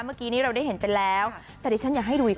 เมื่อกี้นี้เราได้เห็นไปแล้วแต่ดิฉันอยากให้ดูอีกค่ะ